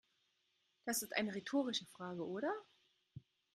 Das ist eine rhetorische Frage, oder?